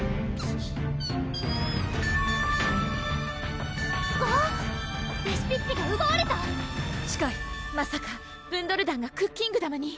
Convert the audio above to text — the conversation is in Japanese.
ピピピーレシピッピがうばわれた⁉近いまさかブンドル団がクッキングダムに？